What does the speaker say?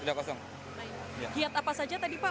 kiat apa saja tadi pak